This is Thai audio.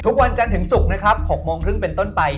ทุกวันจันทร์ถึงศุกร์นะครับ๖โมงครึ่งเป็นต้นไป